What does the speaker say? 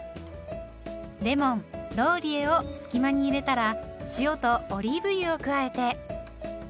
レモンローリエを隙間に入れたら塩とオリーブ油を加えて。